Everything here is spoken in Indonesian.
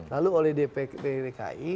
lalu oleh dprd dki